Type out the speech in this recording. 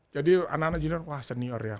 jadi anak anak junior wah senior ya